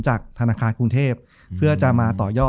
จบการโรงแรมจบการโรงแรม